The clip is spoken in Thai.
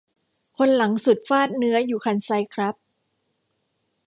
คนหลังสุดฟาดเนื้ออยู่คันไซครับ